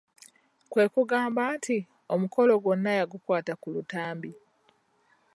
Kwekugamba nti omukolo gwonna yagukwata ku lutambi.